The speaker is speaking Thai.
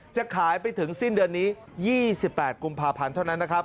จะขายไปถึงสิ้นเดือนนี้๒๘กุมภาพันธ์เท่านั้นนะครับ